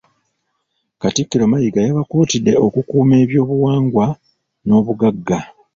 Katikkiro Mayiga yabakuutidde okukuuma ebyobuwangwa n’obugagga.